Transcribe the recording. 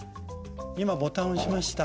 今ボタン押しました。